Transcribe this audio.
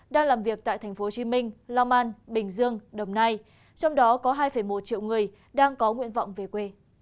đang làm việc tại tp hcm long an bình dương đồng nai trong đó có hai một triệu người đang có nguyện vọng về quê